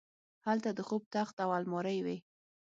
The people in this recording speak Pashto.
هلته د خوب تخت او المارۍ وې